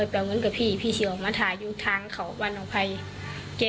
เราก็เลยไปจ้อตก็เป็นแก